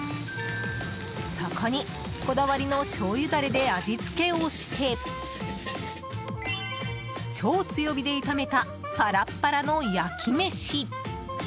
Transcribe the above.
そこにこだわりのしょうゆダレで味付けをして超強火で炒めたパラッパラの焼きめし。